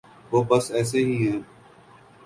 وہ بس ایسے ہی ہیں۔